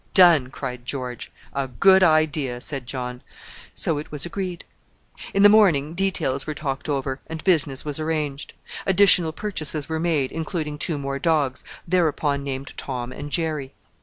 "Done!" cried George. "A good idea!" said John. So it was agreed. In the morning details were talked over, and business was arranged. Additional purchases were made, including two more dogs, thereupon named Tom and Jerry.